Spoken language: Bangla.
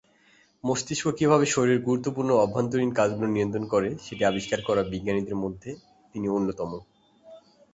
মস্তিষ্ক কিভাবে শরীরের গুরুত্বপূর্ণ আভ্যন্তরীণ কাজগুলি নিয়ন্ত্রণ করে সেটি আবিষ্কার করা বিজ্ঞানীদের মধ্যে তিনি অন্যতম।